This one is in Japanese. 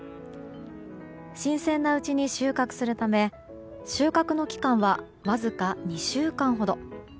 新鮮なうちに収穫するため収穫の期間はわずか２週間ほど。